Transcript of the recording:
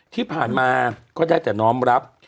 ที่ผ่านมาก็ได้แต่น้อมรับ